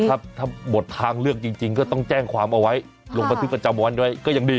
ถ้าหมดทางเลือกจริงก็ต้องแจ้งความเอาไว้ลงบันทึกประจำวันด้วยก็ยังดี